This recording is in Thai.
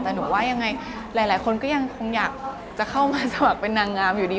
แต่หนูว่ายังไงหลายคนก็ยังคงอยากจะเข้ามาสมัครเป็นนางงามอยู่ดี